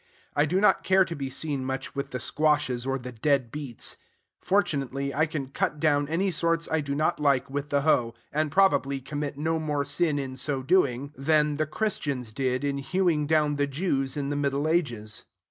I do not care to be seen much with the squashes or the dead beets. Fortunately I can cut down any sorts I do not like with the hoe, and, probably, commit no more sin in so doing than the Christians did in hewing down the Jews in the Middle Ages.